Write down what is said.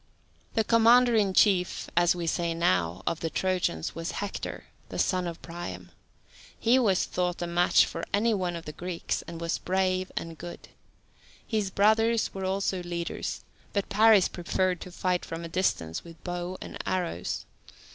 The commander in chief, as we say now, of the Trojans was Hector, the son of Priam. He was thought a match for any one of the Greeks, and was brave and good. His brothers also were leaders, but Paris preferred to fight from a distance with bow and arrows.